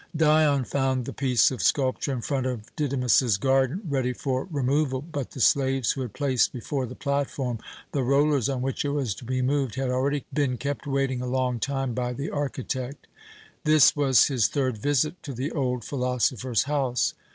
Dion found the piece of sculpture in front of Didymus's garden, ready for removal, but the slaves who had placed before the platform the rollers on which it was to be moved had already been kept waiting a long time by the architect. This was his third visit to the old philosopher's house.